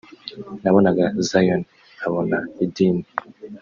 nabonaga Zion nkabona idini